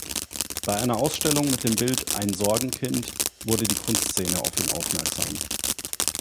Bei einer Ausstellung mit dem Bild "„Ein Sorgenkind“", wurde die Kunstszene auf ihn aufmerksam.